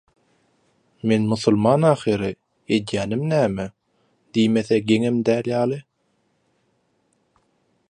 «Men musulman ahyry, edýänim näme?» diýmese geňem däl ýaly.